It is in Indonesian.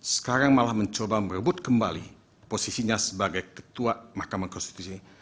sekarang malah mencoba merebut kembali posisinya sebagai ketua mahkamah konstitusi